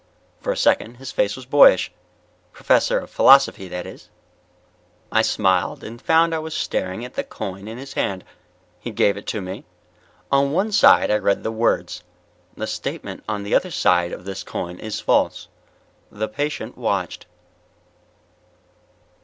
For a second his face was boyish. "Professor of philosophy, that is." I smiled and found that I was staring at the coin in his hand. He gave it to me. On one side I read the words: THE STATEMENT ON THE OTHER SIDE OF THIS COIN IS FALSE. The patient watched....